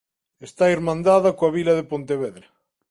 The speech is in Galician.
Está irmandada coa vila de Pontevedra.